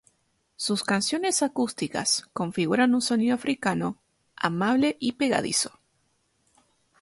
Sus canciones acústicas configuran un sonido africano amable y pegadizo.